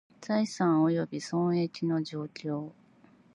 財産および損益の状況